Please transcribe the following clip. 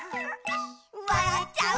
「わらっちゃう」